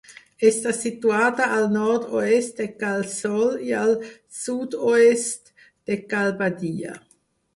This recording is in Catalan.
Està situada al nord-oest de Cal Sol i al sud-oest de Cal Badia.